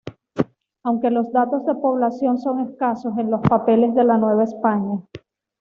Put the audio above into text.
Aunque los datos de población son escasos, en los Papeles de la Nueva España.